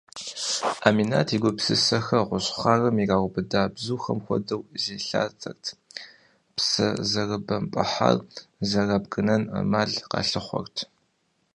Ӏэминат и гупсысэхэр гъущӏ хъарым ираубыда бзухэм хуэдэу зелъатэрт, псэ зэрыбэмпӏыхьар зэрабгынэн ӏэмал къалъыхъуэрт.